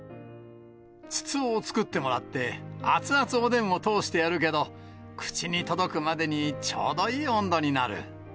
筒を作ってもらって、熱々おでんを通してやるけど、口に届くまでに、ちょうどいい温度になる。